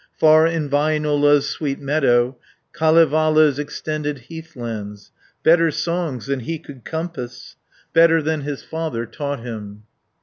Far in Väinölä's sweet meadows, Kalevala's extended heathlands; Better songs than he could compass; Better than his father taught him.